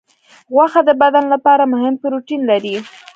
غوښه د بدن لپاره مهم پروټین لري.